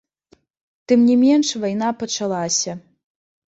Тым не менш, вайна пачалася.